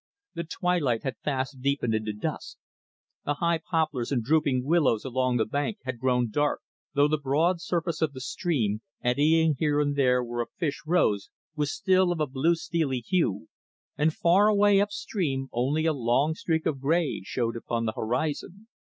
The twilight had fast deepened into dusk; the high poplars and drooping willows along the bank had grown dark, though the broad surface of the stream, eddying here and there where a fish rose, was still of a blue steely hue, and far away upstream only a long streak of grey showed upon the horizon.